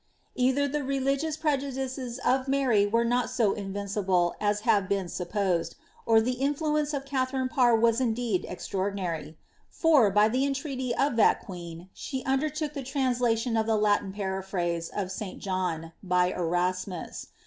'' Either the religious prejudices of Mary were not so invincible as have been supposed, or the influence of Katharine Parr was indeed extra* cmiiDary : for, by the entreaty of that queen, she undertook the trans lation of the Latin paraphrase of St. John, by Erasmus.